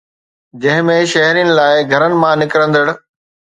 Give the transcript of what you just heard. جنهن ۾ شهرين لاءِ گهرن مان نڪرندڙ